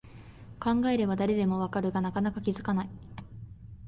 考えれば誰でもわかるが、なかなか気づかない